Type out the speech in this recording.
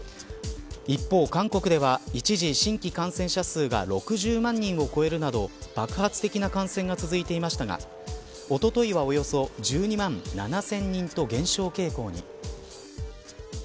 一方、韓国では一時、新規感染者数が６０万人を超えるなど爆発的な感染が続いていましたがおとといはおよそ１２万７０００人と減少傾向に。